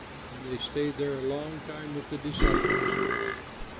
And they stayed there a long time with the disciples.